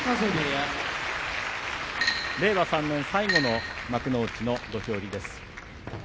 令和３年最後の幕内の土俵入りです。